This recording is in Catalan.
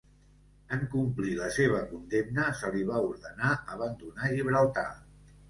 En complir la seva condemna se li va ordenar abandonar Gibraltar.